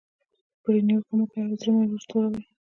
پرې نیوکه مه کوئ او زړه یې مه ور توروئ.